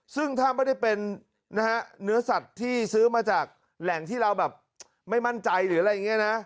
ซึ่งถ้าไม่ได้เป็นนะฮะเนื้อสัตว์ที่ซื้อมาจากแหล่งที่เราแบบไม่มั่นใจหรืออะไรอย่างนี้นะ